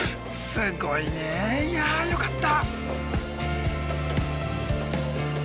すごいねいやよかった！